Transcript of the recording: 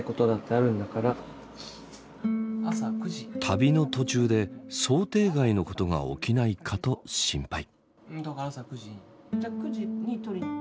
旅の途中で想定外のことが起きないかと心配。